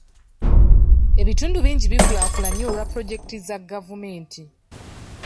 Ebitundu bingi bikulaakulanye olwa pulojekiti za gavumenti.